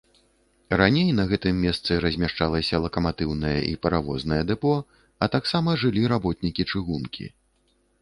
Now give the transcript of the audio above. Раней на гэтым месцы размяшчалася лакаматыўнае і паравознае дэпо, а таксама жылі работнікі чыгункі.